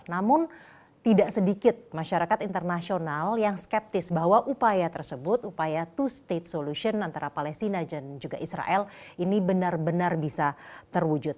namun tidak sedikit masyarakat internasional yang skeptis bahwa upaya tersebut upaya two state solution antara palestina dan juga israel ini benar benar bisa terwujud